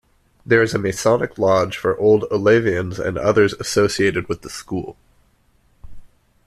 There is a masonic lodge for Old Olavians and others associated with the school.